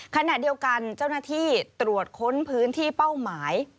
ขณะเดียวกันเจ้าหน้าที่ตรวจค้นพื้นที่เป้าหมาย